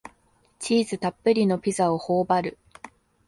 チーズたっぷりのピザをほおばる